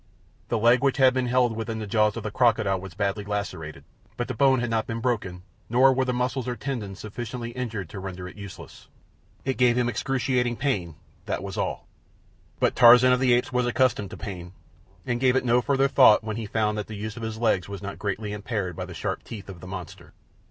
The leg which had been held within the jaws of the crocodile was badly lacerated, but the bone had not been broken, nor were the muscles or tendons sufficiently injured to render it useless. It gave him excruciating pain, that was all. But Tarzan of the Apes was accustomed to pain, and gave it no further thought when he found that the use of his legs was not greatly impaired by the sharp teeth of the monster.